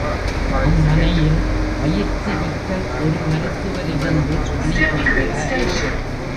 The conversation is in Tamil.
அம்மனையில் பயிற்சி பெற்ற ஒரு மருத்துவர் இருந்து பணிபுரிகிறார்.